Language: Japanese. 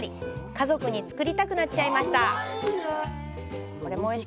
家族に作りたくなっちゃいました。